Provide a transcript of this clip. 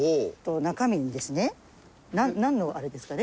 中身にですねなんのあれですかね？